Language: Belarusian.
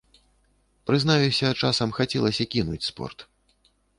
Прызнаюся, часам хацелася кінуць спорт.